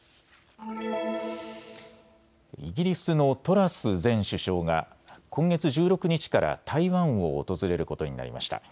イギリスのトラス前首相が今月１６日から台湾を訪れることになりました。